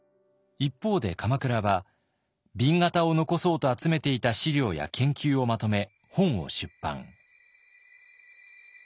一方で鎌倉は紅型を残そうと集めていた資料や研究をまとめ本を出版。